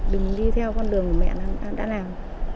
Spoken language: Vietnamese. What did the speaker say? đừng đi theo con đường của mẹ đã làm